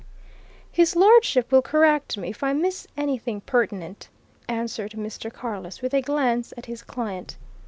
"His lordship will correct me if I miss anything pertinent," answered Mr. Carless with a glance at his client.